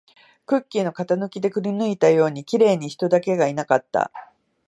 クッキーの型抜きでくりぬいたように、綺麗に人だけがいなかった